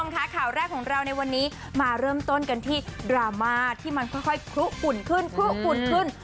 ค่ะข่าวแรกของเราในวันนี้มาเริ่มต้นกันที่ดราม่าที่มันค่อยคลุอุ่นขึ้นคลุอุ่นขึ้น